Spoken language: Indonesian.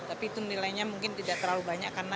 tapi itu nilainya mungkin tidak terlalu banyak